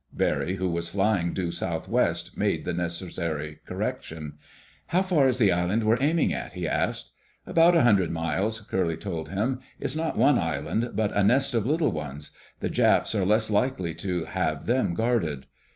Barry, who was flying due southwest, made the necessary correction. "How far is the island we're aiming at?" he asked. "About a hundred miles," Curly told him. "It's not one island, but a nest of little ones. The Japs are less likely to have them guarded."